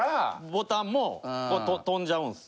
ボタンも飛んじゃうんです。